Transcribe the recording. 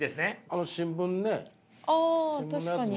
あの新聞ね新聞のやつも。